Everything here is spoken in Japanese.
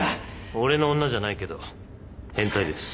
俺の女じゃないけど変態です。